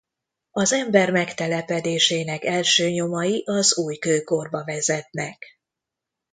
Az ember megtelepedésének első nyomai az újkőkorba vezetnek.